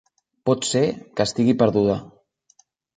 Pot ser que estigui perduda.